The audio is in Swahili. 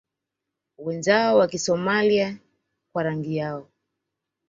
wenzao wa Kisomailia kwa rangi yao